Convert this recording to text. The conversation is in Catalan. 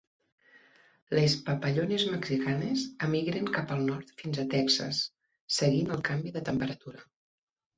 Les papallones mexicanes emigren cap al nord fins a Texas, seguint el canvi de temperatura.